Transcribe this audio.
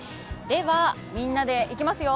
みんなでいきますよ